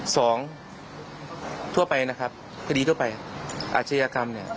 สองทั่วไปนะครับคดีทั่วไปอาชญากรรมเนี่ย